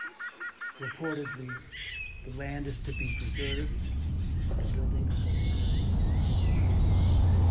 Reportedly, the land is to be preserved and the building sold.